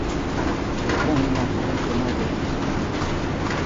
E traen unha ocorrencia máis da biblioteca.